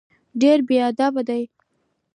ډېر بېادبه دی.